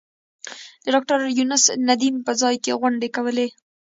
د ډاکټر یونس ندیم په ځای کې غونډې کولې.